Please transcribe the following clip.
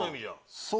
そう。